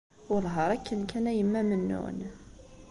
Wellah ar akken kan a Yemma Mennun.